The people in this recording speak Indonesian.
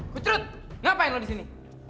kucrut ngapain lo disini